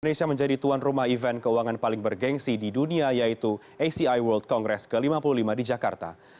indonesia menjadi tuan rumah event keuangan paling bergensi di dunia yaitu aci world congress ke lima puluh lima di jakarta